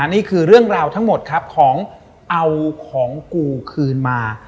นี่คือเรื่องราวทั้งหมดครับของเอาของกูคืนมา